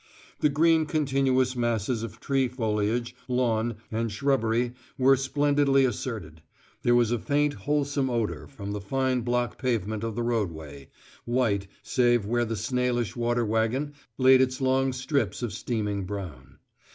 The green continuous masses of tree foliage, lawn, and shrubbery were splendidly asserted; there was a faint wholesome odour from the fine block pavement of the roadway, white, save where the snailish water wagon laid its long strips of steaming brown.